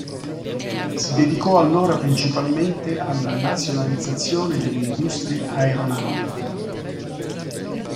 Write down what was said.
Si dedicò allora principalmente alla nazionalizzazione delle industrie aeronautiche.